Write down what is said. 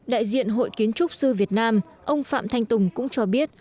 đại diện hội kiến trúc sư việt nam ông phạm thanh tùng cũng cho biết